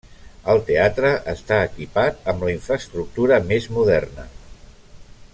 El teatre està equipat amb la infraestructura més moderna.